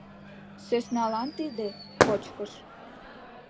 Сӧсналан тиде — кочкыш.